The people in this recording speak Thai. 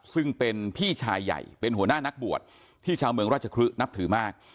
ซึ่งเป็นพี่ชายใหญ่เป็นหัวหน้านักบวชที่ชาวเมืองราชครึกนับถือมาก